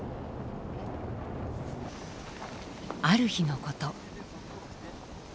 ある日のこと。